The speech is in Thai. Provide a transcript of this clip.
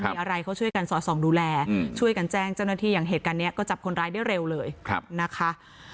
มีอะไรเขาช่วยกันสอดส่องดูแลช่วยกันแจ้งเจ้าหน้าที่อย่างเหตุการณ์นี้ก็จับคนร้ายได้เร็วเลยนะคะ